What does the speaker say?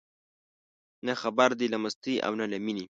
نه خبر دي له مستۍ او نه له مینې